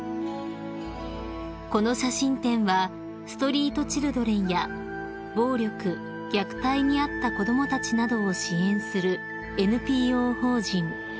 ［この写真展はストリートチルドレンや暴力・虐待に遭った子供たちなどを支援するＮＰＯ法人